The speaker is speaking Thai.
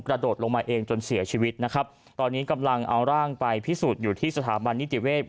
กระโดดลงมาเองจนเสียชีวิตนะครับตอนนี้กำลังเอาร่างไปพิสูจน์อยู่ที่สถาบันนิติเวศ